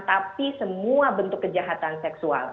tapi semua bentuk kejahatan seksual